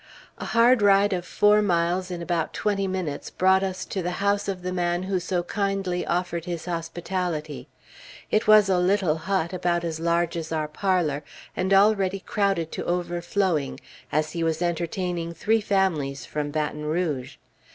A hard ride of four miles in about twenty minutes brought us to the house of the man who so kindly offered his hospitality. It was a little hut, about as large as our parlor, and already crowded to overflowing, as he was entertaining three families from Baton Rouge.